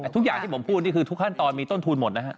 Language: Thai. ทุกอย่างที่ผมพูดนี่คือทุกขั้นตอนมีต้นทุนหมดนะฮะ